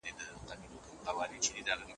له مالدارو څخه د غریبو حق غوښتل روا دي.